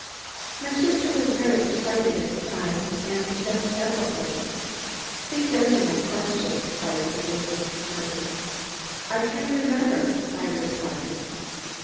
"My sister was very excited at that time and said several things " "Please answer my question!" fired the district attorney. "I can't remember," I replied.